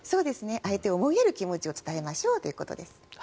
相手を思いやる気持ちを伝えましょうということです。